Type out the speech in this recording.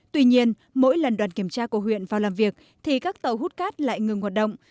tuy nhiên mỗi lần đoàn kiểm tra của huyện vào làm việc thì các tàu hút cát lại ngừng hoạt động